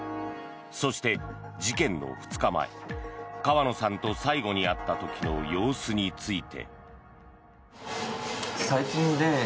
そして事件の２日前川野さんと最後に会った時の様子について。